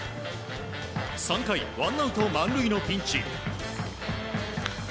３回、ワンアウト満塁のピンチ。